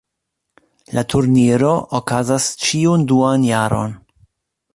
La turniro okazas ĉiun duan jarojn.